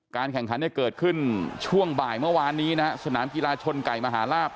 แข่งขันเนี่ยเกิดขึ้นช่วงบ่ายเมื่อวานนี้นะฮะสนามกีฬาชนไก่มหาลาบ